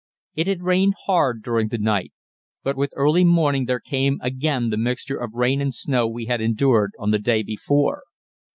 It had rained hard during the night, but with early morning there came again the mixture of rain and snow we had endured on the day before.